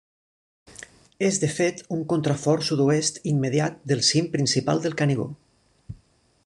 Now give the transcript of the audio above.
És de fet un contrafort sud-oest immediat del cim principal del Canigó.